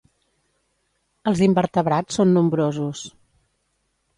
Els invertebrats són nombrosos.